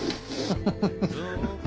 フフフ。